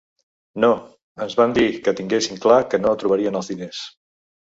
No, ens van dir que tinguéssim clar que no trobarien els diners.